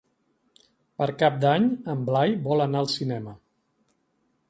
Per Cap d'Any en Blai vol anar al cinema.